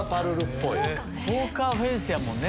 ポーカーフェースやもんね